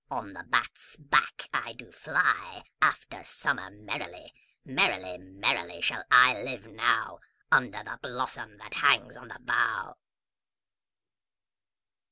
On the bat's back I do fly After summer merrily: 5 Merrily, merrily, shall I live now, Under the blossom that hangs on the bough.